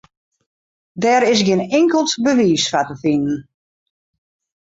Dêr is gjin inkeld bewiis foar te finen.